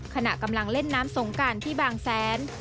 ขณะกำลังเล่นน้ำสงการที่บางแสน